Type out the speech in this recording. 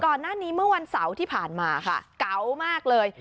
ก่อนหน้านี้เมื่อวันเสาร์ที่ผ่านมาค่ะเก๋ามากเลย